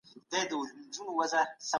په سختۍ کې صبر وکړئ.